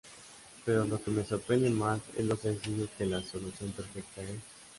Pero lo que me sorprende más es lo sencillo que la solución perfecta es.